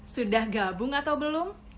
sudah gabung atau belum